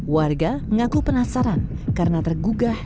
warga mengaku penasaran karena tergugah